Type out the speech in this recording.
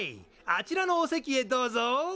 あちらのお席へどうぞ。